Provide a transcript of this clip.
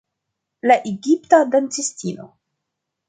La egipta dancistino.